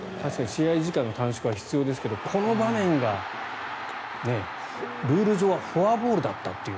試合時間の短縮は必要ですがこの場面がルール上はフォアボールだったっていう。